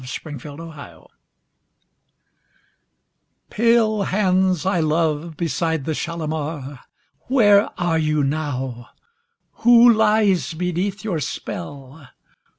Kashmiri Song Pale hands I love beside the Shalimar, Where are you now? Who lies beneath your spell?